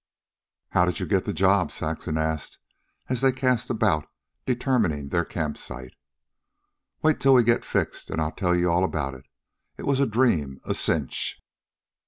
"How did you get the job," Saxon asked, as they cast about, determining their camp site. "Wait till we get fixed an' I'll tell you all about it. It was a dream, a cinch."